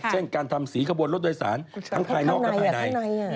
เช่นการทำสีขบวนรถโดยสารทั้งภายนอกและภายใน